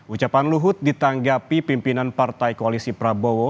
ucapan luhut ditanggapi pimpinan partai koalisi prabowo